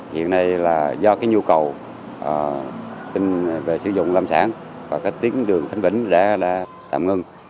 hiện nay do nhu cầu về sử dụng lâm sản và tiến đường khánh vĩnh đã tạm ngưng